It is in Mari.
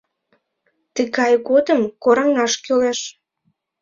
Тыгай годым — кораҥаш кӱлеш.